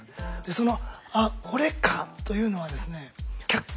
その「あっ俺か」というのはですねうん。